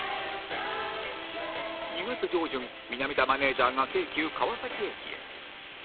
２月上旬南田マネージャーが京急川崎駅へ